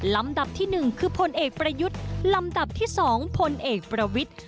ลำดับที่สองพลเอกประวิท